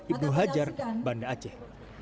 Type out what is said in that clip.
ibu hajar banda aceh